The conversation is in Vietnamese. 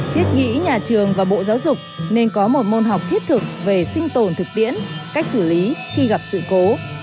thiết nghĩ nhà trường và bộ giáo dục nên có một môn học thiết thực về sinh tồn thực tiễn cách xử lý khi gặp sự cố